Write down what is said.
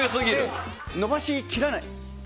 伸ばしきらない。